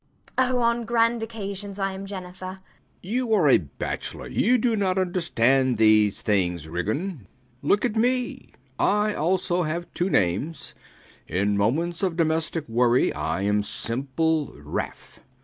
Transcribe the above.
Oh, on grand occasions I am Jennifer. B. B. You are a bachelor: you do not understand these things, Ridgeon. Look at me [They look]. I also have two names. In moments of domestic worry, I am simple Ralph.